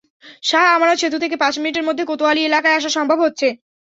শাহ আমানত সেতু থেকে পাঁচ মিনিটের মধ্যে কোতোয়ালি এলাকায় আসা সম্ভব হচ্ছে।